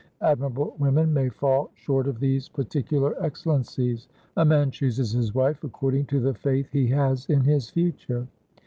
Admirable women may fall short of these particular excellencies. A man chooses his wife according to the faith he has in his future."